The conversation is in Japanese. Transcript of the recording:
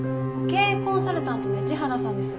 経営コンサルタントの市原さんです。